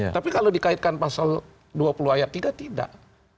tapi kalau dikaitkan pasal dua puluh ayat tiga tidak